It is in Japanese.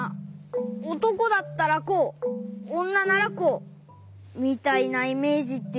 「おとこだったらこうおんなならこう」みたいなイメージっていうか。